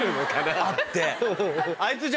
あって。